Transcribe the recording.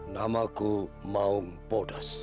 namaku maung podas